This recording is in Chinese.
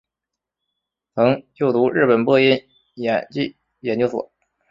曾就读日本播音演技研究所。